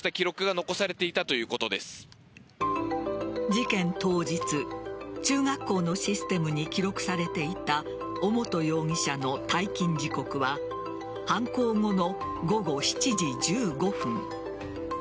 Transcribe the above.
事件当日、中学校のシステムに記録されていた尾本容疑者の退勤時刻は犯行後の午後７時１５分。